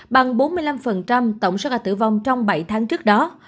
bằng bốn mươi năm tổng số ca tử vong trong bảy tháng trước đó